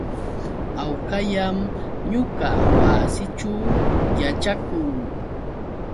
Hawkallam ñuqa wasiićhu yaćhakuu.